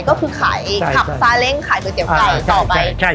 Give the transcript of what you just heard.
ก็คือขายขับซาเล้งขายก๋วยเตี๋ยวไก่ต่อไป